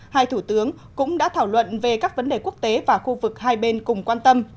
hai thủ tướng cũng đã thảo luận về các vấn đề quốc tế và khu vực hai bên cùng quan tâm